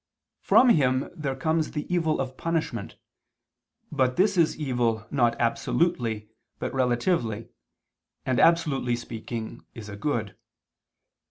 From Him there comes the evil of punishment, but this is evil not absolutely but relatively, and, absolutely speaking, is a good.